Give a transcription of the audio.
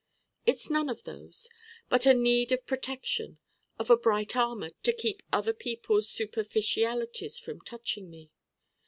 It's none of those, but a need of protection, of a bright armor to keep other people's superficialities from touching me.